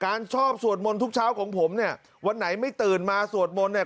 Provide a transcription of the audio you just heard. ชอบสวดมนต์ทุกเช้าของผมเนี่ยวันไหนไม่ตื่นมาสวดมนต์เนี่ย